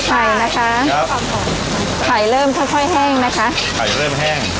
ไข่นะคะไข่เริ่มค่อยค่อยแห้งนะคะไข่เริ่มแห้ง